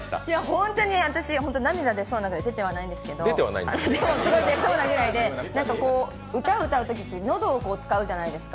本当に私、涙出そうなぐらい、出てはないんですけど、でも出そうなぐらいで、歌を歌うときって喉を使うじゃないですか。